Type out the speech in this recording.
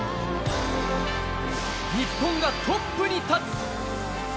日本がトップに立つ。